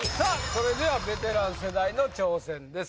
それではベテラン世代の挑戦です